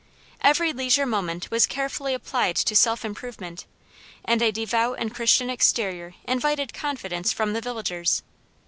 Every leisure moment was carefully applied to self improvement, and a devout and Christian exterior invited confidence from the villagers.